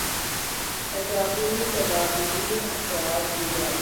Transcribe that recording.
احتیاطی تدابیراختیار کی جائیں